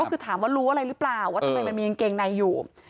ก็คือถามว่ารู้อะไรหรือเปล่าว่าทำไมมันมีกางเกงในอยู่